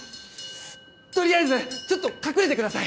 とりあえずちょっと隠れてください。